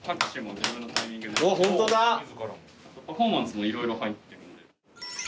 パフォーマンスも色々入ってるんで。